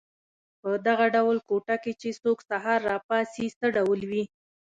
په دغه ډول کوټه کې چې څوک سهار را پاڅي څه ډول وي.